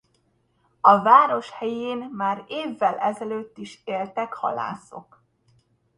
A város helyén már évvel ezelőtt is éltek halászok.